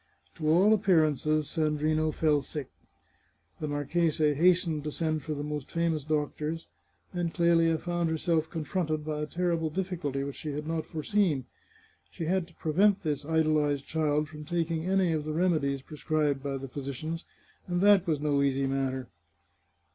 To all appearances Sandrino fell sick. The marchese hastened to send for the most famous doctors, and Clelia found herself confronted by a terrible difficulty which she had not foreseen. She had to prevent this idolized child from taking any of the remedies prescribed by the phy sicians, and that was no easy matter.